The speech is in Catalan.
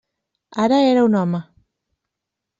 Ara era un home.